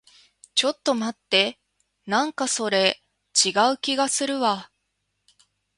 ちょっと待って。なんかそれ、違う気がするわ。